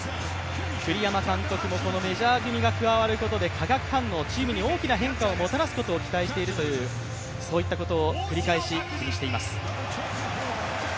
栗山監督も、このメジャー組が加わることで化学反応、チームに大きな変化をもたらすことを期待しているということを繰り返し口にしています。